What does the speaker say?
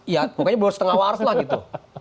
ya pokoknya baru setengah waras lah gitu